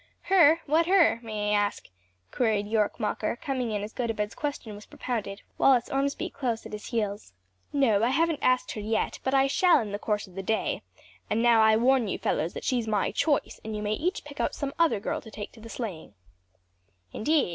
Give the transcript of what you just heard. "Her? what her? may I ask?" queried Yorke Mocker, coming in as Gotobed's question was propounded, Wallace Ormsby close at his heels. "No, I haven't asked her yet, but I shall in the course of the day; and now I warn you fellows that she's my choice and you may each pick out some other girl to take to the sleighing." "Indeed!